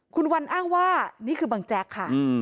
คุณวันอ้างว่านี่คือบังแจ๊กค่ะ